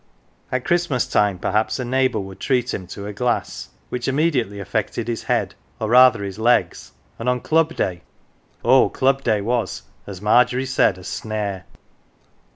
At Christ mas time perhaps a neighbour would treat him to a glass, which immediately affected his head, or rather his legs ; and on Club day oh, Club day was, as Margery said, a snare